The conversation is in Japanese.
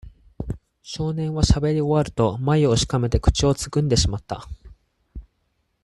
少年はしゃべり終わると、まゆをしかめて口をつぐんでしまった。